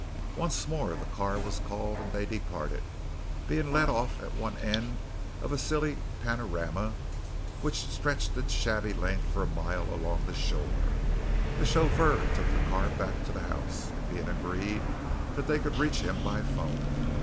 Once more the car was called and they departed, being let off at one end of a silly panorama which stretched its shabby length for a mile along the shore. The chauffeur took the car back to the house, it being agreed that they could reach him by phone.